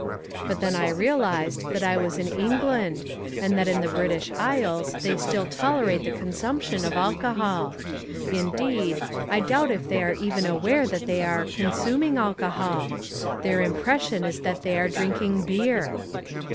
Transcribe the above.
But then I realised that I was in England and that in the British Isles they still tolerate the consumption of alcohol. Indeed, I doubt if they are even aware that they are "consuming alcohol." Their impression is that they are drinking beer.